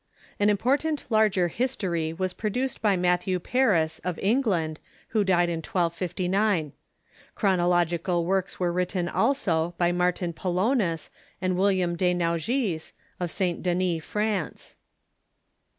An important larger history Avas produced by Mat thew Paris, of England, who died in 1259. Chronological works were written also by Martin Polonus and William de Naugis, of St. Denis, France.